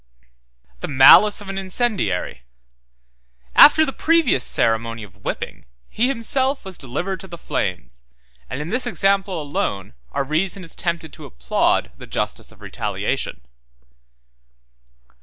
176 4. The malice of an incendiary. After the previous ceremony of whipping, he himself was delivered to the flames; and in this example alone our reason is tempted to applaud the justice of retaliation.